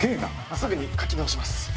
すぐに書き直します。